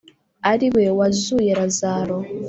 ari we wazuye razalo